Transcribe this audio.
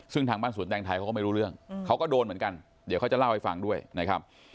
ซึ่งทางบ้านสวนแตงไทยเขาก็ไม่รู้เรื่องเขาก็โดนเหมือนกันเดี๋ยวเขาจะเล่าให้ฟังด้วยนะครับ